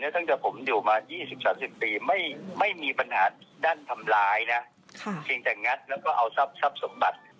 ตั้งแต่ผมอยู่มายี่สิบสามสิบปีไม่ไม่มีปัญหาด้านทำร้ายนะคืนจากงัดแล้วก็เอาทรัพย์ทรัพย์สมบัติ